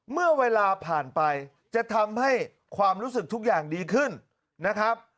เมื่อเวลาผ่านไปจะทำให้ความรู้สึกทุกอย่างดีขึ้นนะครับ